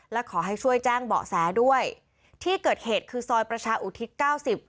และขอให้ช่วยแจ้งเบาะแสด้วยที่เกิดเหตุคือซอยประชาอุทิศเก้าสิบ